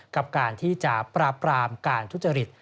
กับการที่จะปราบปรามการทุจริต